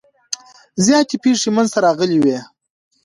زیاتې پیښې منځته راغلي وي.